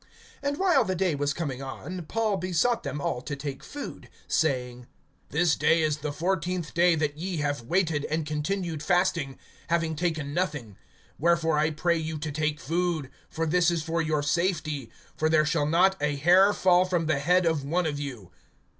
(33)And while the day was coming on, Paul besought them all to take food, saying: This day is the fourteenth day that ye have waited, and continued fasting, having taken nothing. (34)Wherefore I pray you to take food; for this is for your safety; for there shall not a hair fall from the head of one of you.